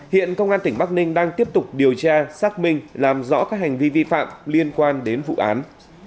hiện công an tỉnh bắc ninh đang tiếp tục điều tra xác minh làm rõ các hành vi vi phạm liên quan đến vụ án